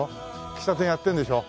喫茶店やってるんでしょ？